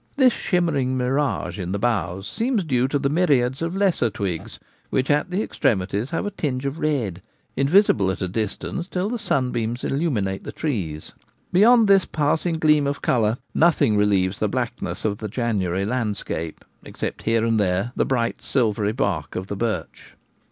This shimmering mirage in the boughs seems due to the myriads of lesser twigs, which at the extremities have a tinge of red, invisible at a distance till the sunbeams illuminate the trees. Beyond this passing gleam of colour, nothing relieves the black ness of the January landscape, except here and there the bright silvery bark of the birch.